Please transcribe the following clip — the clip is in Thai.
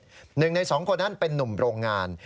หนึ่งในสองคนนั้นเป็นนุ่มโรงงาน